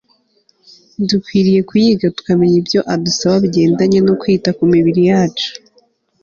dukwiriye kuyiga tukamenya ibyo adusaba bigendanye no kwita ku mibiri yacu